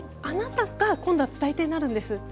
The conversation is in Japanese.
あなたが今度は伝え手になるんです。